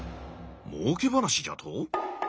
もうけ話じゃと？